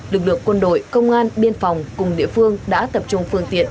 lực lượng quân đội công an biên phòng cùng địa phương đã tập trung phương tiện